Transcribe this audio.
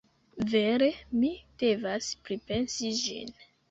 Vere, mi devas pripensi ĝin.